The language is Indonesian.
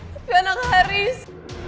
tapi anak haris